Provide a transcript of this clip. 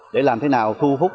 để làm thế nào thu hút